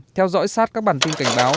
theo dõi sát các bản tin cảnh báo